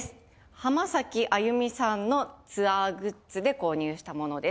浜崎あゆみさんのツアーグッズで購入したものです。